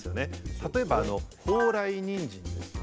例えば高麗ニンジンですとか。